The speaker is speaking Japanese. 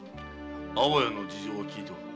安房屋の事情は聞いておる。